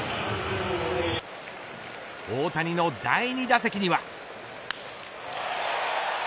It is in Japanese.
大谷の第２打席には。